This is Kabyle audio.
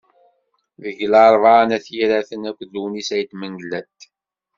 Deg Larebɛa n At Yiraten, akked Lewnis Ayit Mengellat.